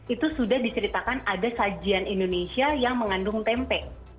itu sudah diceritakan ada sajian indonesia yang mengandung tempe